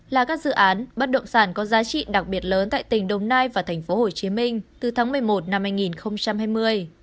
là các dự án bất động sản có giá trị đặc biệt lớn tại tỉnh đồng nai và tp hcm từ tháng một mươi một năm hai nghìn hai mươi